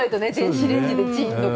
レンジでチンとか。